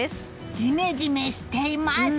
ジメジメしています！